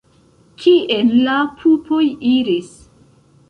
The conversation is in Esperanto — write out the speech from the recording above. Kien la pupoj iris?